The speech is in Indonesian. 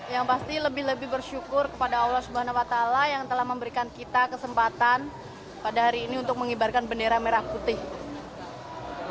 yang pasti lebih lebih bersyukur kepada allah swt yang telah memberikan kita kesempatan pada hari ini untuk mengibarkan bendera merah putih